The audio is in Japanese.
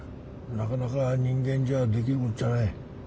なかなか人間じゃできることじゃない。